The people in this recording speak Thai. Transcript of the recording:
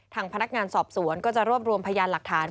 ทางพนักงานสอบสวนก็จะรวบรวมพยานหลักฐาน